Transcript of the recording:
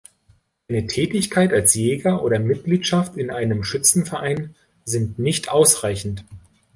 Eine Tätigkeit als Jäger oder Mitgliedschaft in einem Schützenverein sind nicht ausreichend.